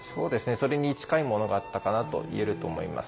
それに近いものがあったかなと言えると思います。